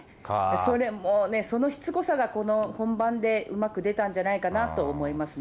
それもうね、そのしつこさがこの本番でうまく出たんじゃないかなと思いますね。